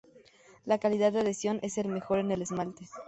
La calidad de adhesión es mejor en el esmalte.